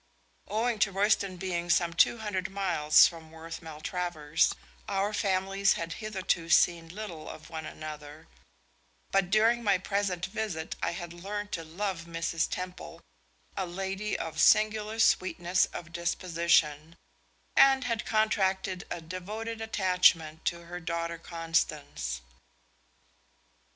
Owing to Royston being some two hundred miles from Worth Maltravers, our families had hitherto seen little of one another, but during my present visit I had learned to love Mrs. Temple, a lady of singular sweetness of disposition, and had contracted a devoted attachment to her daughter Constance.